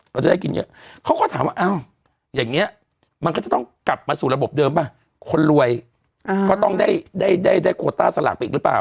เราจะได้กินเยอะเขาก็ถามว่าอ้าวอย่างนี้มันก็จะต้องกลับมาสู่ระบบเดิมป่ะคนรวยก็ต้องได้ได้โคต้าสลากไปอีกหรือเปล่า